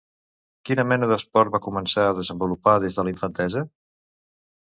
Quina mena d'esports va començar a desenvolupar des de la infantesa?